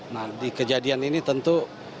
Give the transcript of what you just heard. nah di kejadian ini tentu